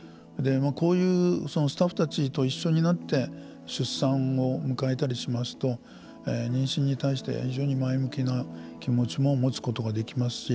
こういうスタッフたちと一緒になって出産を迎えたりしますと妊娠に対して非常に前向きな気持ちも持つことができますし。